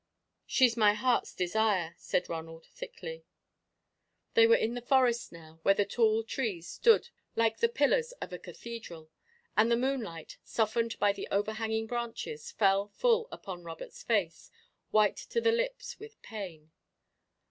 "She's my heart's desire," said Ronald, thickly. They were in the forest now, where the tall trees stood like the pillars of a cathedral, and the moonlight, softened by the overhanging branches, fell full upon Robert's face, white to the lips with pain.